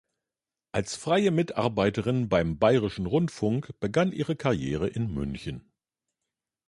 Als freie Mitarbeiterin beim Bayerischen Rundfunk begann ihre Karriere in München.